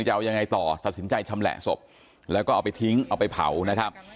จะเอายังไงต่อตัดสินใจชำแหละศพแล้วก็เอาไปทิ้งเอาไปเผานะครับ